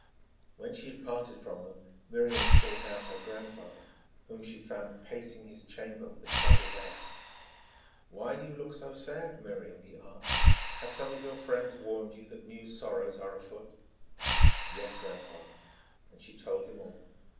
When she had parted from them, Miriam sought out her grandfather, whom she found pacing his chamber with a troubled air. "Why do you look so sad, Miriam?" he asked. "Have some of your friends warned you that new sorrows are afoot?" "Yes, grandfather," and she told him all.